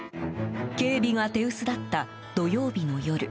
警備が手薄だった土曜日の夜。